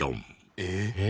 えっ？